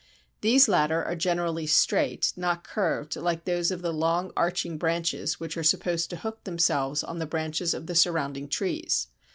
These latter are generally straight, not curved like those of the long arching branches which are supposed to hook themselves on the branches of the surrounding trees.